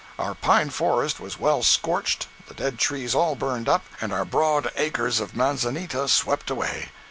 Our pine forest was well scorched, the dead trees all burned up, and our broad acres of manzanita swept away.